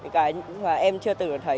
cái mà em chưa từng thấy